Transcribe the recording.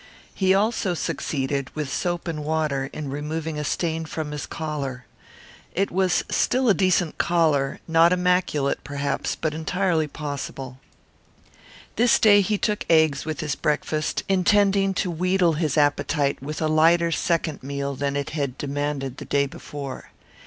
He also succeeded, with soap and water, in removing a stain from his collar. It was still a decent collar; not immaculate, perhaps, but entirely possible. This day he took eggs with his breakfast, intending to wheedle his appetite with a lighter second meal than it had demanded the day before.